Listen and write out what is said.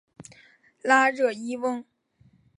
拉热伊翁。